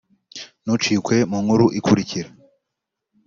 Ntucikwe mu nkuru ikurikira